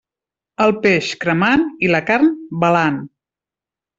El peix, cremant; i la carn, belant.